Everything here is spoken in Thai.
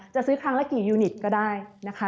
จะซื้อครั้งละกี่ยูนิตก็ได้นะคะ